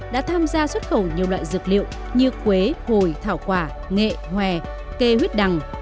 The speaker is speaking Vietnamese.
đã tham gia xuất khẩu nhiều loại dược liệu như quế hồi thảo quả nghệ hòe cây huyết đằng